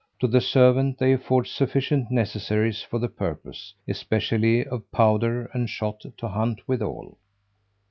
To the servant they afford sufficient necessaries for the purpose, especially of powder and shot to hunt withal.